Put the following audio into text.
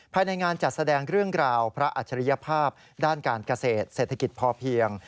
ภายในงานจัดแสดงเรื่องราวพระอัจฉริยภาพด้านการเกษตรเศรษฐกิจพอเพียง